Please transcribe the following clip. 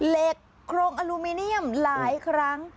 เหล็กโครงอลูมิเนียมหลายครั้ง